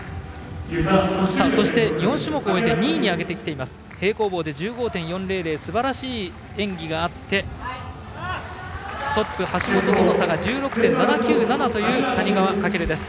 そして４種目終えて２位に上げてきています平行棒で１５．４００とすばらしい演技があってトップ橋本との差が１６．７９７という谷川翔です。